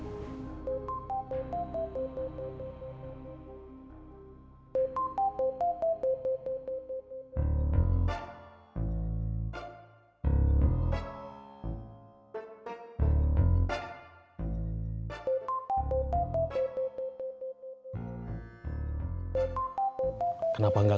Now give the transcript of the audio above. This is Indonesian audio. dia mulai bikin perhitungan